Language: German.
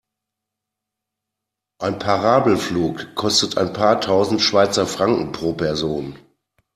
Ein Parabelflug kostet ein paar tausend Schweizer Franken pro Person.